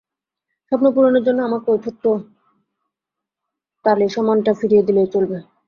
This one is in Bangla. স্বপ্ন পূরণের জন্য আমাকে ওই ছোট্ট তালিসমানটা ফিরিয়ে দিলেই চলবে।